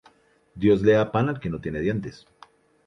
Dios le da pan al que no tiene dientes